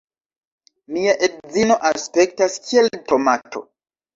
Mia edzino aspektas kiel tomato